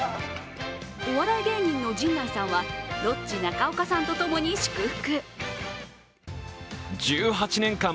お笑い芸人の陣内さんは、ロッチ・中岡さんとともに祝福。